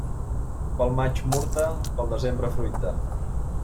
Pel maig, murta; pel setembre, fruita.